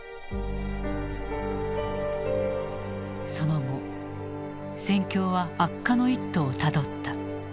その後戦況は悪化の一途をたどった。